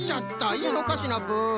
いいのかシナプー？